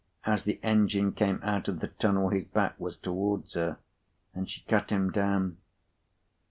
As the engine came out of the tunnel, his back was towards her, and she cut him down.